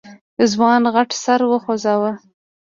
ځوان غټ سر وخوځوه.